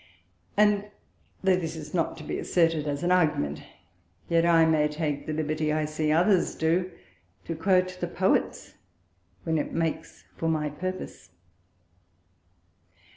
_ And though this be not to be esteem'd as an Argument, yet I may take the liberty I see others do, to quote the Poets when it makes for my purpose.